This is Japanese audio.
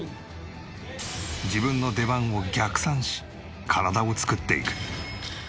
自分の出番を逆算し体を作っていく。